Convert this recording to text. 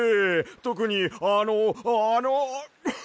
とくにあのあの。